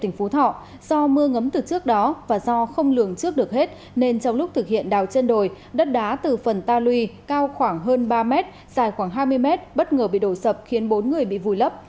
nên trong lúc thực hiện đào chân đồi đất đá từ phần ta lui cao khoảng hơn ba mét dài khoảng hai mươi mét bất ngờ bị đổ sập khiến bốn người bị vùi lấp